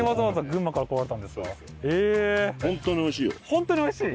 本当においしい？